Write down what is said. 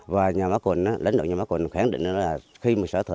và lãnh đạo nhà má quỳnh khẳng định là khi mà sở thở